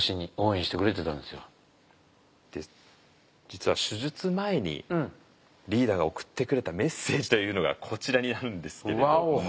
実は手術前にリーダーが送ってくれたメッセージというのがこちらにあるんですけれども。